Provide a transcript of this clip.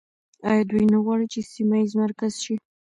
آیا دوی نه غواړي چې سیمه ییز مرکز شي؟